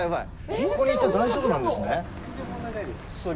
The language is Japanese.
ここにいて、大丈夫なんですね？